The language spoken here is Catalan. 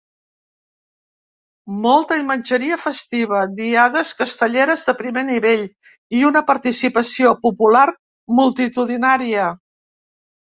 Molta imatgeria festiva, diades castelleres de primer nivell i una participació popular multitudinària.